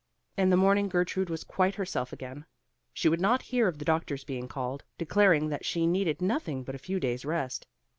In the morning Gertrude was quite herself again. She would not hear of the doctor's being called, declaring that she needed nothing but a few days' rest.